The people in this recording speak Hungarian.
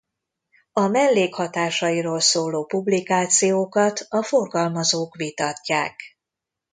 A mellékhatásairól szóló publikációkat a forgalmazók vitatják.